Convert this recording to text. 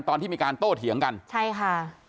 ตอนที่มีการโต้เถียงกันใช่ค่ะ